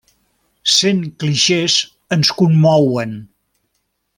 Cent clixés ens commouen.